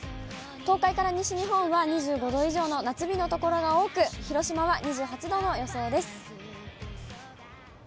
東海から西日本は２５度以上の夏日の所が多く、広島は２８度の予想です。